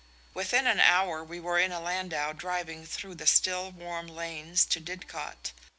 Within an hour we were in a landau driving through the still warm lanes to Didcot.